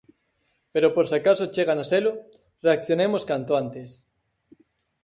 Pero por se acaso chegan a selo, reaccionemos canto antes.